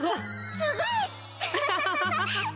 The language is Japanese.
すごい！